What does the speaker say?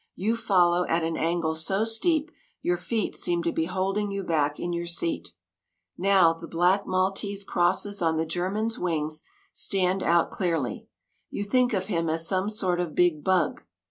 You follow at an angle so steep your feet seem to be holding you back in your seat. Now the black Maltese crosses on the German's wings stand out clearly. You think of him as some sort of big bug.